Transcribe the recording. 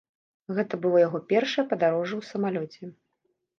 Гэта было яго першае падарожжа ў самалёце.